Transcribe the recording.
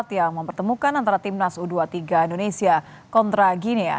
yang mempertemukan antara timnas u dua puluh tiga indonesia kontra ginia